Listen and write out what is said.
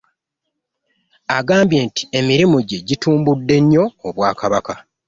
Agambye nti emirimu gye gitumbudde nnyo Obwakabaka.